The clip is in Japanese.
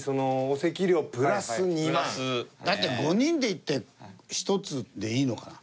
だって５人で行って１つでいいのかな？